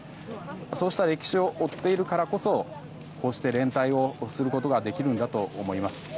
そうした歴史を負っているからこそこうして連帯をすることができるんだと思います。